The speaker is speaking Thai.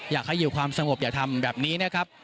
อยากให้อยู่ความสงบอย่าทำแบบนี้นะครับ